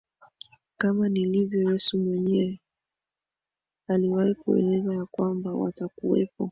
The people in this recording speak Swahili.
kama nilivyo Yesu mwenyewe aliwahi kueleza ya kwamba watakuwepo